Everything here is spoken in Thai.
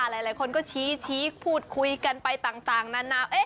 หลายคนก็ชี้พูดคุยกันไปต่างนานา